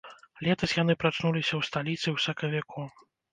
Летась яны прачнуліся ў сталіцы ў сакавіку.